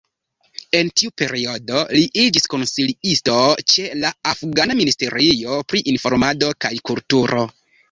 En tiu periodo li iĝis konsilisto ĉe la afgana Ministerio pri Informado kaj Kulturo.